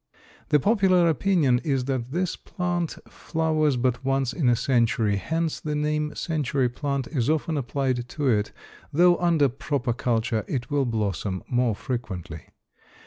The popular opinion is that this plant flowers but once in a century; hence the name "Century Plant" is often applied to it, though under proper culture it will blossom more frequently.